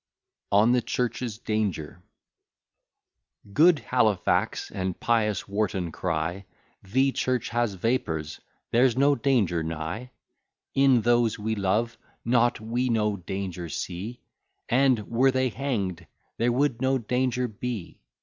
ON THE CHURCH'S DANGER Good Halifax and pious Wharton cry, The Church has vapours; there's no danger nigh. In those we love not, we no danger see, And were they hang'd, there would no danger be.